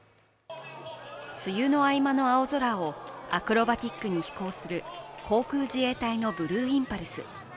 梅雨の合間の青空をアクロバティックに飛行する航空自衛隊のブルーインパルス。